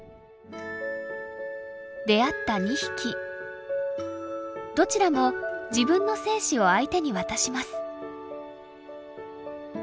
出会った２匹どちらも自分の精子を相手に渡します。